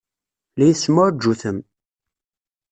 La iyi-tessemɛuǧǧutem.